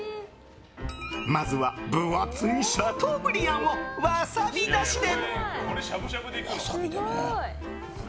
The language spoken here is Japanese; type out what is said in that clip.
まずは分厚いシャトーブリアンをワサビだしで。